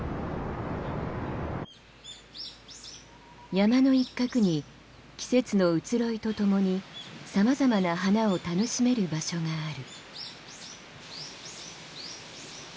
山の一角に季節の移ろいとともに様々な花を楽しめる場所がある。